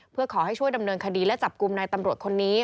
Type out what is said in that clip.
เพื่อขอให้ช่วยดำเนินคดีและจับกลุ่มนายตำรวจคนนี้